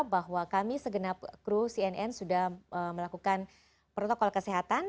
bahwa kami segenap kru cnn sudah melakukan protokol kesehatan